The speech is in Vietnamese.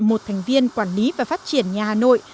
một thành viên quản lý và phát triển nhà hà nội